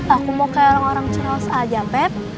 aku mau ke orang orang celos aja pep